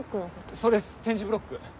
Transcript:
それっす点字ブロック。